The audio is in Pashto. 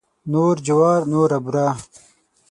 نور جوار نوره بوره.